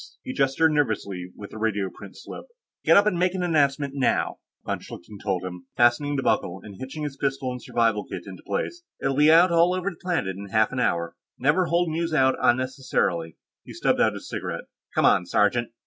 He gestured nervously with the radioprint slip. "Get up and make an announcement, now," von Schlichten told him, fastening the buckle and hitching his pistol and survival kit into place. "It'll be out all over the planet in half an hour. Never hold news out unnecessarily." He stubbed out his cigarette. "Come on, sergeant."